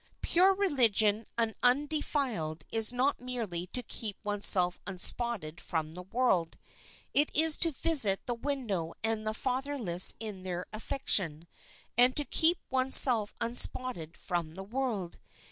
. Pure religion and undefiled is not merely to keep oneself unspotted from the world ; it is to visit &5 the widow and the fatherless in their affliction and to keep oneself unspotted from the world.